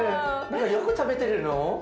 よく食べてるの？